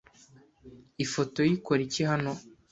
Ifoto ye ikora iki hano?